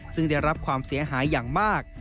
ซึ่งได้รับความเสียหายอย่างมาก